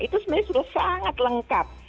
itu sebenarnya sudah sangat lengkap